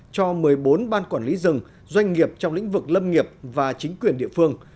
cho một mươi bốn ban quản lý rừng doanh nghiệp trong lĩnh vực lâm nghiệp và chính quyền địa phương